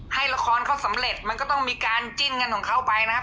ให้ละครเขาสำเร็จมันก็ต้องมีการจิ้นกันของเขาไปนะครับ